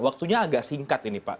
waktunya agak singkat ini pak